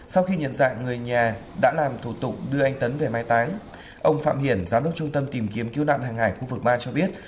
sau khi nhận dạng người nhà đã làm thủ tục đưa anh tấn về mai táng ông phạm hiển giám đốc trung tâm tìm kiếm cứu nạn hàng hải khu vực ba cho biết